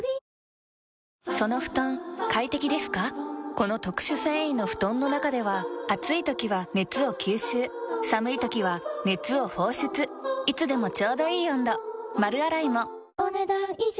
この特殊繊維の布団の中では暑い時は熱を吸収寒い時は熱を放出いつでもちょうどいい温度丸洗いもお、ねだん以上。